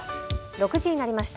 ６時になりました。